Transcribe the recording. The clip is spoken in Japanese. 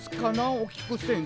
おきくせんせい。